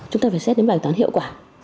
chúng ta phải xét đến bài toán hiệu quả